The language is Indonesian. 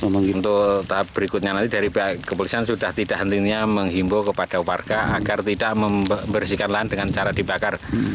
mungkin untuk tahap berikutnya nanti dari pihak kepolisian sudah tidak hentinya menghimbau kepada warga agar tidak membersihkan lahan dengan cara dibakar